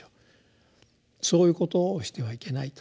そういうことをしてはいけないと。